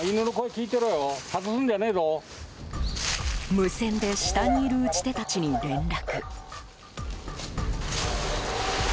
無線で下にいる撃ち手たちに連絡。